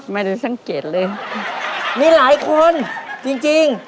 ไม่ได้สังเกตเลยมีหลายคนจริงจริง